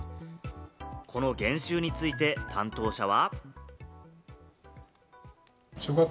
この減収について担当者は。